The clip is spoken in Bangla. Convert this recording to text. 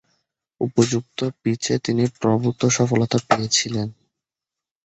উপযুক্ত পিচে তিনি প্রভূতঃ সফলতা পেয়েছিলেন।